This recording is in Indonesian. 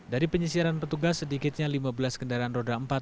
dari penyisiran petugas sedikitnya lima belas kendaraan roda empat